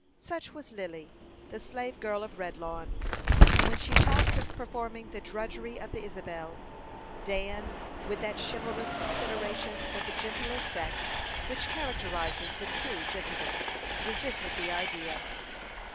Such was Lily, the slave girl of Redlawn; and when she talked of performing the drudgery of the Isabel, Dan, with that chivalrous consideration for the gentler sex which characterizes the true gentleman, resented the idea.